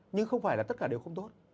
nhưng không phải là tất cả đều không tốt